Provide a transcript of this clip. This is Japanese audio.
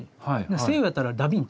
西洋やったらダビンチ。